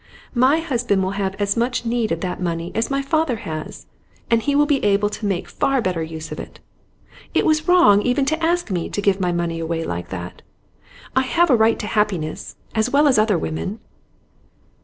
My husband will have as much need of that money as my father has, and he will be able to make far better use of it. It was wrong even to ask me to give my money away like that. I have a right to happiness, as well as other women.